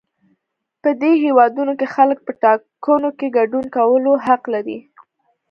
په دې هېوادونو کې خلک په ټاکنو کې ګډون کولو حق لري.